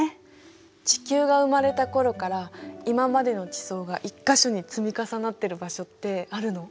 地球が生まれた頃から今までの地層が一か所に積み重なってる場所ってあるの？